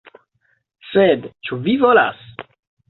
Sed ĉu vi volas?